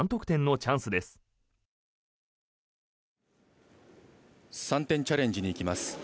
３点チャレンジに行きます。